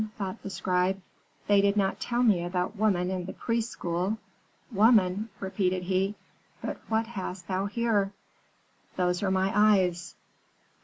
thought the scribe. 'They did not tell me about woman in the priests' school. Woman?' repeated he. 'But what hast thou here?' "'Those are my eyes.'